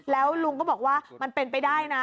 แล้วลุงก็บอกว่ามันเป็นไปได้นะ